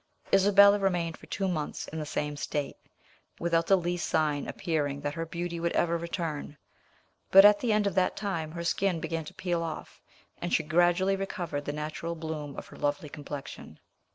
Isabella remained for two months in the same state, without the least sign appearing that her beauty would ever return; but at the end of that time her skin began to peel off, and she gradually recovered the natural bloom of her lovely complexion.